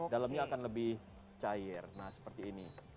dalamnya akan lebih cair nah seperti ini